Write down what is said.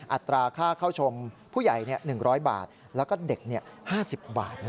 อัตราค่าเข้าชมผู้ใหญ่๑๐๐บาทแล้วก็เด็ก๕๐บาท